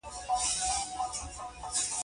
د مینې کور په دریم پوړ کې و